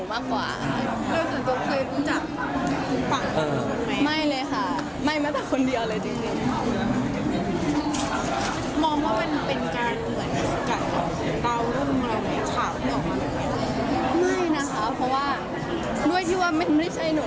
ไม่นะคะเพราะว่าด้วยที่ว่าไม่ใช่หนู